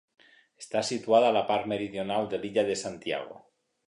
Està situada a la part meridional de l'illa de Santiago.